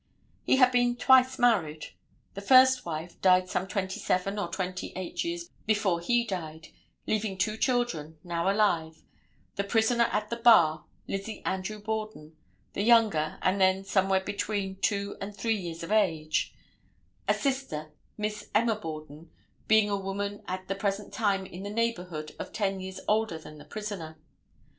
He had been twice married. The first wife died some twenty seven or twenty eight years before he died, leaving two children, now alive—the prisoner at the bar, Lizzie Andrew Borden, the younger, and then somewhere between two and three years of age, a sister, Miss Emma Borden, being a woman at the present time in the neighborhood of ten years older than the prisoner.